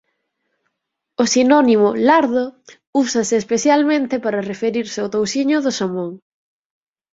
O sinónimo "lardo" úsase especialmente para referirse ao touciño do xamón.